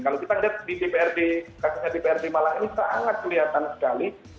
kalau kita lihat di dprd kasusnya dprd malang ini sangat kelihatan sekali